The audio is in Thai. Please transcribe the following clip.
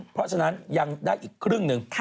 เพราะฉะนั้นยังได้อีกครึ่งหนึ่ง